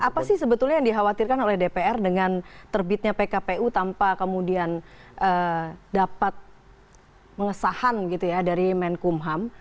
apa sih sebetulnya yang dikhawatirkan oleh dpr dengan terbitnya pkpu tanpa kemudian dapat mengesahkan gitu ya dari menkumham